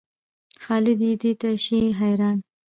خالد یې دې شي ته حیران و.